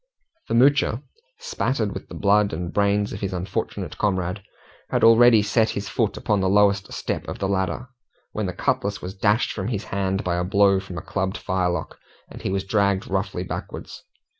The Moocher, spattered with the blood and brains of his unfortunate comrade, had already set his foot upon the lowest step of the ladder, when the cutlass was dashed from his hand by a blow from a clubbed firelock, and he was dragged roughly backwards.